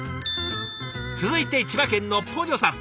続いて千葉県のポニョさん。